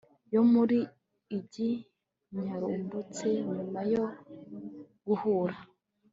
yo mu igi ryarumbutse nyuma yo guhura